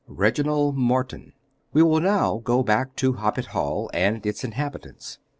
REGINALD MORTON. We will now go back to Hoppet Hall and its inhabitants.